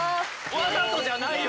わざとじゃないよ